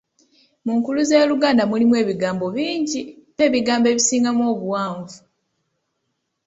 Mu nkuluze y'Oluganda mulimu ebigambo bingi, mpa ebigambo ebisingamu obuwanvu?